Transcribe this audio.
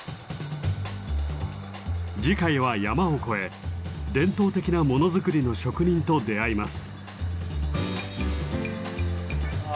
次回は山を越え伝統的なものづくりの職人と出会います。